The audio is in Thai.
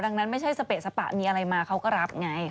ดังนั้นไม่ใช่สเปะสปะมีอะไรมาเขาก็รับไง